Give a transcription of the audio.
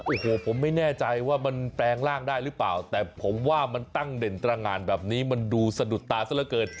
โอ้โหผมไม่แน่ใจว่ามันแปลงร่างได้หรือเปล่าแต่ผมว่ามันตั้งเด่นตรงานแบบนี้มันดูสะดุดตาซะละเกิน